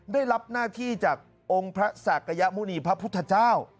ได้รับหน้าที่จากองค์พระศักยมุณีพระพุทธเจ้า